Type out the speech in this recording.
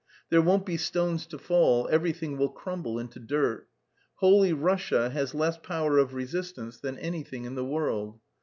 There won't be stones to fall, everything will crumble into dirt. Holy Russia has less power of resistance than anything in the world.